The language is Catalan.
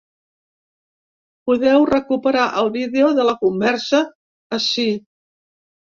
Podeu recuperar el vídeo de la conversa ací.